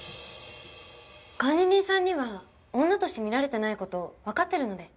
管理人さんには女として見られてない事わかってるので。